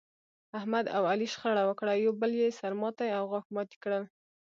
احمد او علي شخړه وکړه، یو بل یې سر ماتی او غاښ ماتی کړل.